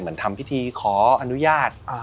เหมือนทำพิธีขออนุญาต